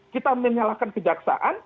kita menyalahkan kejaksaan